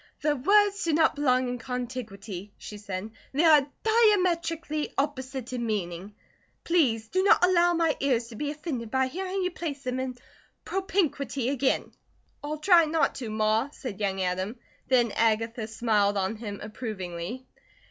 "The words do not belong in contiguity," she said. "They are diametrically opposite in meaning. Please do not allow my ears to be offended by hearing you place them in propinquity again." "I'll try not to, Ma," said young Adam; then Agatha smiled on him approvingly.